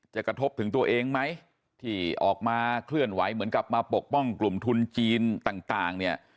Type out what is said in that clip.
กระทบถึงตัวเองไหมที่ออกมาเคลื่อนไหวเหมือนกับมาปกป้องกลุ่มทุนจีนต่างเนี่ย